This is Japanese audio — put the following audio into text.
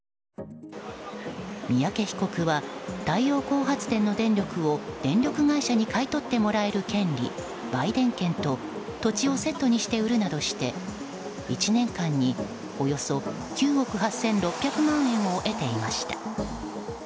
三宅被告は太陽光発電の電力を電力会社に買い取ってもらえる権利、売電権と土地をセットにして売るなどして１年間におよそ９憶８６００万円を得ていました。